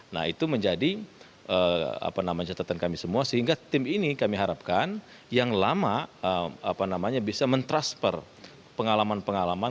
nah itu menjadi catatan kami semua sehingga tim ini kami harapkan yang lama bisa mentransfer pengalaman pengalaman